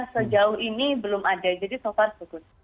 sejauh ini belum ada jadi so far so good